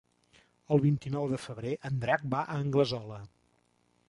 El vint-i-nou de febrer en Drac va a Anglesola.